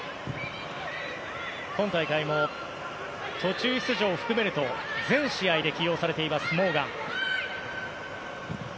今大会も途中出場を含めると全試合で起用されているモーガン。